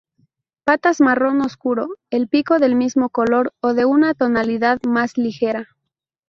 Patas marrón oscuro, el pico del mismo color o de una tonalidad más ligera.